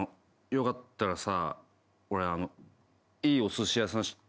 よかったらさ。